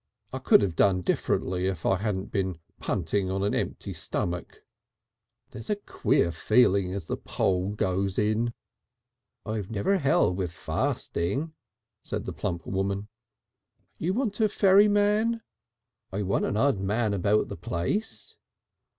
I could have done differently if I hadn't been punting on an empty stomach. There's a lear feeling as the pole goes in " "I've never held with fasting," said the plump woman. "You want a ferryman?" "I want an odd man about the place."